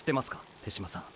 手嶋さん。